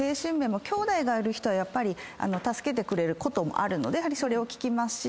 きょうだいがいる人はやっぱり助けてくれることもあるのでやはりそれを聞きますし。